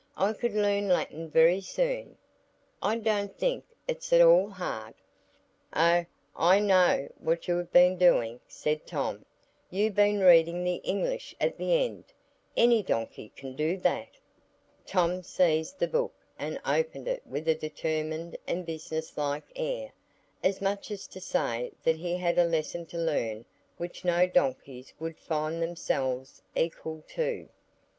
I could learn Latin very soon. I don't think it's at all hard." "Oh, I know what you've been doing," said Tom; "you've been reading the English at the end. Any donkey can do that." Tom seized the book and opened it with a determined and business like air, as much as to say that he had a lesson to learn which no donkeys would find themselves equal to.